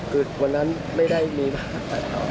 คือวันนั้นไม่ได้มีตัดต่อ